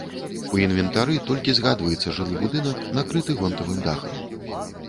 У інвентары толькі згадваецца жылы будынак, накрыты гонтавым дахам.